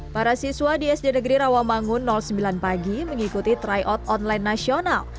para siswa di sd negeri rawamangun sembilan pagi mengikuti tryout online nasional